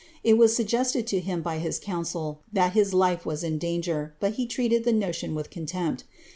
It was suggested to him by his council that his life was is danger, but he treated the notion with contempt.